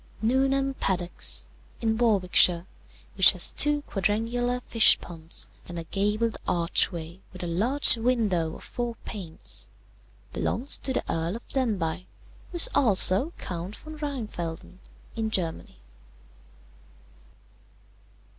"Newnham Paddox, in Warwickshire, which has two quadrangular fish ponds and a gabled archway with a large window of four panes, belongs to the Earl of Denbigh, who is also Count von Rheinfelden, in Germany.